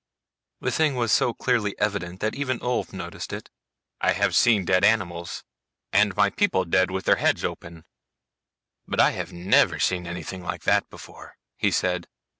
The thing was so clearly evident that even Ulv noticed it. "I have seen dead animals and my people dead with their heads open, but I have never seen anything like that before," he said.